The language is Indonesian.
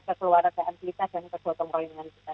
kekeluargaan kita dan kedua pemerintah kita